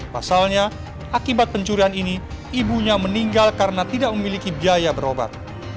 pasalnya akibat pencurian ini ibunya meninggal karena tidak memiliki biaya berobat